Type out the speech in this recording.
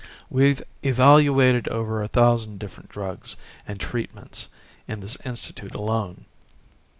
We've evaluated over a thousand different drugs and treatments in this Institute alone."